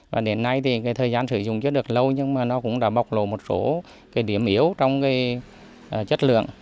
và đến nay thì thời gian sử dụng chưa được lâu nhưng mà nó cũng đã bọc lộ một số điểm yếu trong chất lượng